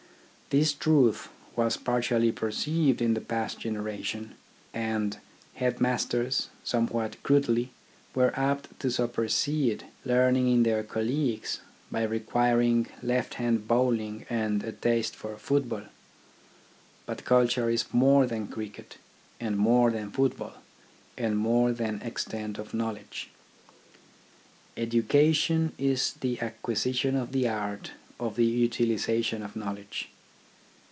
This truth was partially per ceived in the past generation ; and headmasters, somewhat crudely, were apt to supersede learning in their colleagues by requiring left hand bowling and a taste for football. But culture is more than cricket, and more than football, and more than extent of knowledge. Education is the acquisition of the art of the utilisation of knowledge.